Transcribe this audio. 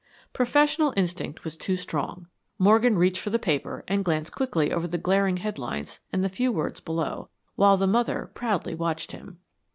Professional instinct was too strong. Morgan reached for the paper and glanced quickly over the glaring headlines and the few words below, while the mother proudly watched him.